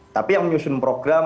tapi yang menyusun program